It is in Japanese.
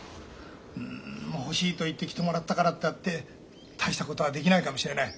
欲しいと言って来てもらったからったって大したことはできないかもしれない。